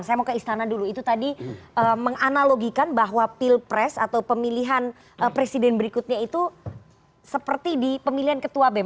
saya mau ke istana dulu itu tadi menganalogikan bahwa pilpres atau pemilihan presiden berikutnya itu seperti di pemilihan ketua bem